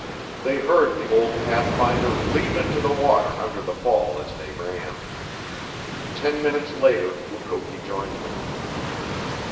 They heard the old pathfinder leap into the water under the fall as they ran. Ten minutes later Mukoki joined them.